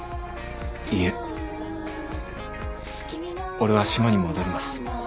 いえ俺は島に戻ります。